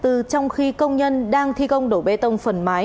trong khi công nhân đang thi công đổ bê tông phần mái